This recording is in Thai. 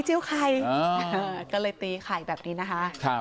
เจียวไข่เจียวไข่ก็เลยตีไข่แบบนี้นะคะ